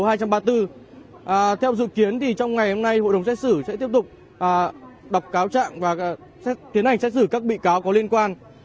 theo dự kiến thì trong ngày hôm nay hội đồng xét xử sẽ tiếp tục đọc cáo trạng và tiến hành xét xử các bị cáo có liên quan